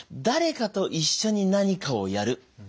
誰かと一緒に何かをやる。